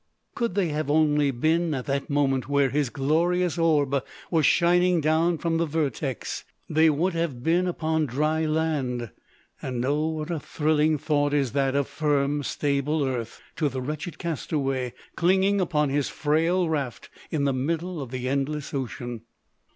Could they have only been at that moment where his glorious orb was shining down from the vertex, they would have been upon dry land; and, O what a thrilling thought is that of firm stable earth, to the wretched castaway clinging upon his frail raft in the middle of the endless ocean!